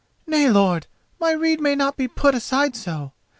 "Nay, lord, my rede may not be put aside so.